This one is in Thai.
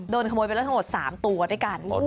ขโมยไปแล้วทั้งหมด๓ตัวด้วยกัน